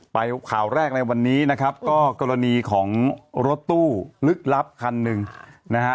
ข่าวแรกในวันนี้นะครับก็กรณีของรถตู้ลึกลับคันหนึ่งนะฮะ